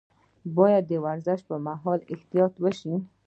باید د ورزش پر مهال احتیاط وشي.